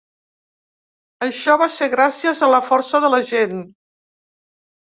Això va ser gràcies a la força de la gent.